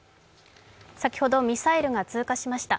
先ほどミサイルが通過しました。